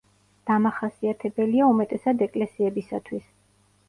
დამახასიათებელია უმეტესად ეკლესიებისათვის.